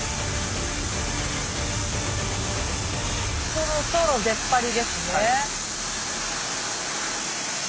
そろそろ出っ張りですね。